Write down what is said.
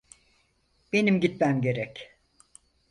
Benim gitmem gerek.